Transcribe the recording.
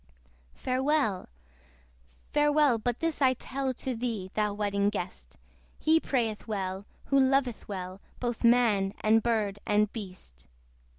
Farewell, farewell! but this I tell To thee, thou Wedding Guest! He prayeth well, who loveth well Both man and bird and beast.